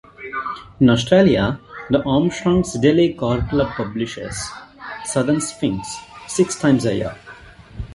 In Australia, the Armstrong Siddeley Car Club publishes "Southern Sphinx" six times a year.